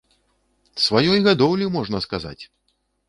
Сваёй гадоўлі, можна сказаць!